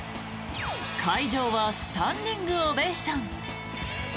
会場はスタンディングオベーション。